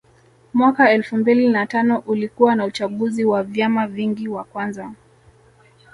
Mwaka elfu mbili na tano ulikuwa na uchaguzi wa vyama vingi wa kwanza